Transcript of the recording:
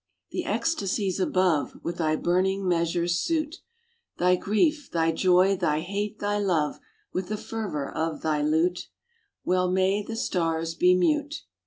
The ecstasies above With thy burning measures suit: Thy grief, thy joy, thy hate, thy love, With the fervor of thy lute: Well may the stars be mute